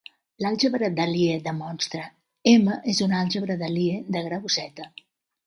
L'àlgebra de Lie de monstre "m" és una àlgebra de Lie de grau "z".